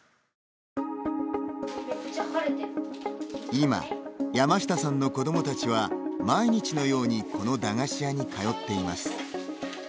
今、山下さんの子どもたちは毎日のようにこの駄菓子屋に通っています。